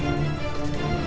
jangan pak landung